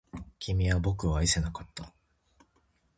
君は僕を愛せなかった